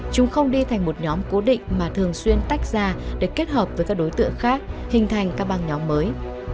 chúng không đi thành một nhóm cố định mà thường xuyên tách ra để kết hợp với các đối tượng khác hình thành các băng nhóm mới